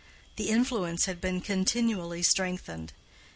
The influence had been continually strengthened.